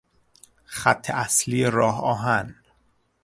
خط اصلی راه آهن